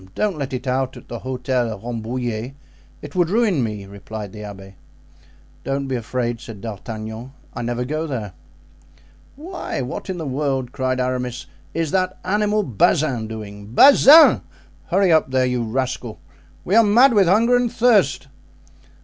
Don't let it out at the Hotel Rambouillet; it would ruin me," replied the abbé. "Don't be afraid," said D'Artagnan. "I never go there." "Why, what in the world," cried Aramis, "is that animal Bazin doing? Bazin! Hurry up there, you rascal; we are mad with hunger and thirst!"